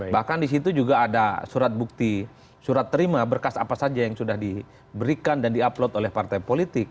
bahkan di situ juga ada surat bukti surat terima berkas apa saja yang sudah diberikan dan di upload oleh partai politik